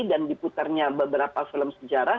dan diputarnya beberapa film sejarah